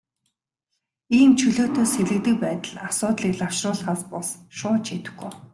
Ийм чөлөөтэй сэлгэдэг байдал асуудлыг лавшруулахаас бус, шууд шийдэхгүй.